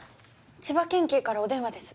千葉県警からお電話です。